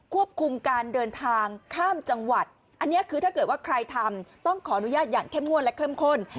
ควบคุมการเดินทางข้ามจังหวัดอันนี้คือถ้าเกิดว่าใครทำต้องขออนุญาตอย่างเข้มงวดและเข้มข้น